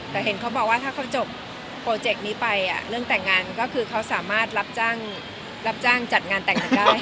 แต่เห็นเขาบอกว่าถ้าเขาจบโปรเจกต์นี้ไปเรื่องแต่งงานก็คือเขาสามารถรับจ้างจัดงานแต่งกันได้